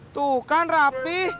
tuh kan rapih